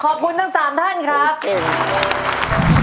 ขอบคุณทั้งสามท่านครับ